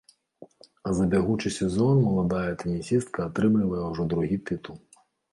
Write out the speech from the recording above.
А за бягучы сезон маладая тэнісістка атрымлівае ўжо другі тытул.